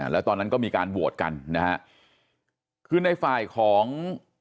แล้วตอนนั้นก็มีการโหวตกันนะฮะคือในฝ่ายของ